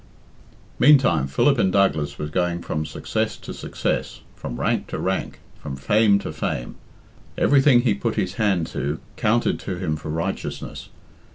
Meantime, Philip in Douglas was going from success to success, from rank to rank, from fame to fame. Everything he put his hand to counted to him for righteousness.